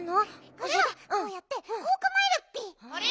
これはこうやってこうかまえるッピ。あれ？